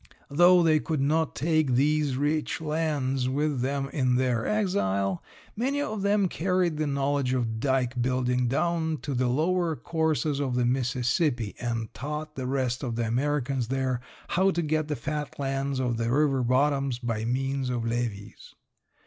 Though they could not take these rich lands with them in their exile, many of them carried the knowledge of dike building down to the lower courses of the Mississippi, and taught the rest of the Americans there how to get the fat lands of the river bottoms by means of levees.